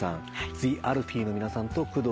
ＴＨＥＡＬＦＥＥの皆さんと工藤静香さん。